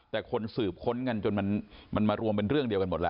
แต่คนสืบค้นกันจนมันมารวมเป็นเรื่องเดียวกันหมดแล้ว